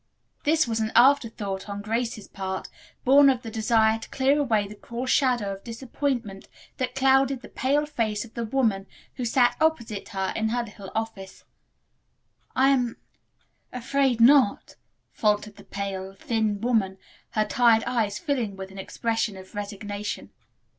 This was an afterthought on Grace's part, born of the desire to clear away the cruel shadow of disappointment that clouded the pale face of the woman who sat opposite her in her little office. "I am afraid not," faltered the pale, thin woman, her tired eyes filling with an expression of resignation.